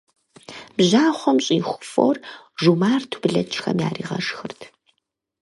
Бжьахъуэм щӀиху фор жумарту блэкӀхэм яригъэшхырт.